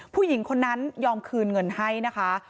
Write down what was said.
ผู้หญิงคนนั้นยอมคืนเงินให้นะคะ